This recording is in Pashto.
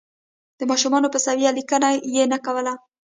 د ماشومانو په سویه لیکنه یې نه کوله.